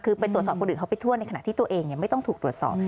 คือไปตรวจสอบคนอื่นเขาไปทั่วในขณะที่ตัวเองไม่ต้องถูกตรวจสอบ